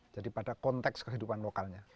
jadi pada konteks kehidupan lokalnya